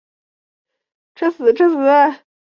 该校是以教师教育专业为主的本科院校。